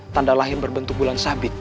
tanda lahir berbentuk bulan sabit